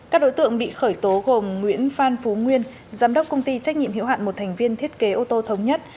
các đối tượng bị khởi tố gồm nguyễn phan phú nguyên giám đốc công ty trách nhiệm hiệu hạn một thành viên thiết kế ô tô thống nhất